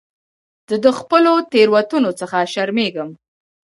زه د خپلو تېروتنو څخه شرمېږم.